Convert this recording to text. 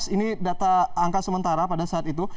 dua ribu empat belas ini data angka sementara pada saat itu